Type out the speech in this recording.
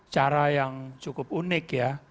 cara yang cukup unik ya